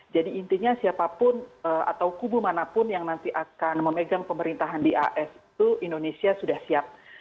jadi intinya siapapun atau kubu manapun yang nanti akan memegang pemerintahan di as itu indonesia sudah siap